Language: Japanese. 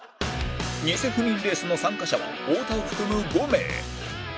ニセ不眠レースの参加者は太田を含む５名